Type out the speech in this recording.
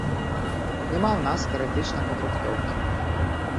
Няма ў нас тэарэтычнай падрыхтоўкі.